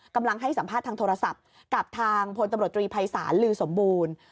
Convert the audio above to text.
กำลังให้สัมภาษณ์ทางโทรศัพท์กับทางพลตำรวจตรีภัยศาลลือสมบูรณ์